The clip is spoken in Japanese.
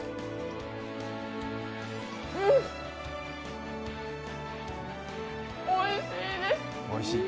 うんっ、おいしいです！